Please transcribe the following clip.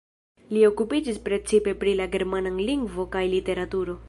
Li okupiĝis precipe pri la germana lingvo kaj literaturo.